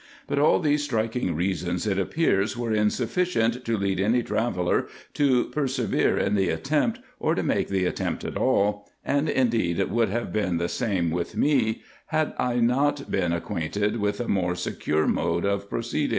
But all these striking reasons it appears were insufficient to lead any traveller to persevere in the attempt, or to make the attempt at all ; and indeed it would have been the same with me, had I not been acquainted with a more secure mode of proceeding.